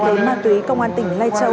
với ma túy công an tỉnh lai châu